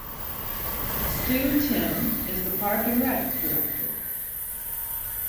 Stew Timm is the Park and Rec Director.